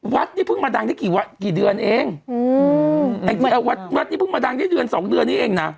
วัดนี้เพิ่งมาดังได้กี่เดือนเองวัดนี้เพิ่งมาดังได้เดือนสองเดือนนี้เองนะ